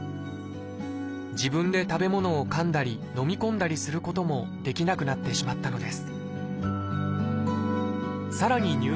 自分で食べ物をかんだりのみ込んだりすることもできなくなってしまったのです。